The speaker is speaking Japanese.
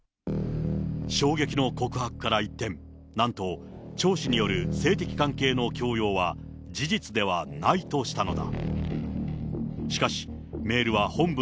衝撃の告白から一転、なんと、張氏による性的関係の強要は事実ではないとしたのだ。